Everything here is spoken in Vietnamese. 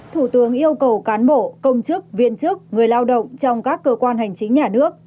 thủ tướng yêu cầu cán bộ công chức viên chức người lao động trong các cơ quan hành chính nhà nước